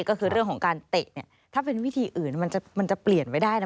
ก็คือเรื่องของการเตะเนี่ยถ้าเป็นวิธีอื่นมันจะเปลี่ยนไม่ได้นะ